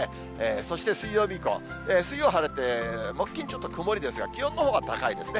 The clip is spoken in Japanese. そして水曜日以降、水曜晴れて、木、金、ちょっと曇りですが、気温のほうは高いですね。